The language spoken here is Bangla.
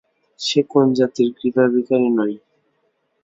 সে কোন জাতির কৃপাভিখারী নয়।